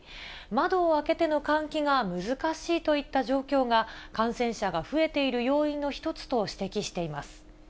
窓を開けての換気が難しいといった状況が、感染者が増えている要因の１つと指摘しています。